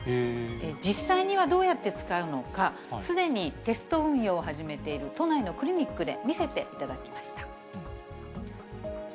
実際にはどうやって使うのか、すでにテスト運用を始めている都内のクリニックで見せていただきました。